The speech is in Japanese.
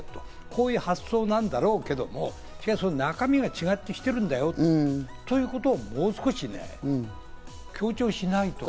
こういう発想なんだろうけども、中身が違ってきてるんだよということをもう少しね、強調しないと。